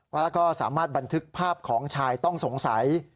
แล้วก็สามารถบันทึกภาพของชายต้องสงสัย